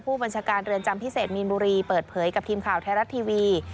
ผู้บัญชาการเรือนจำพิเศษมีนบุรีเปิดเผยกับทีมข่าวไทยรัฐทีวี